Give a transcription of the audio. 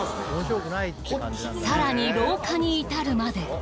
更に廊下に至るまで。